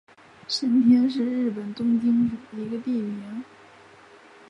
神田是日本东京都千代田区东北部的一个地名。